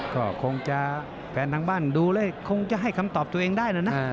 ก็คงจะแฟนทางบ้านดูแล้วคงจะให้คำตอบตัวเองได้แล้วนะ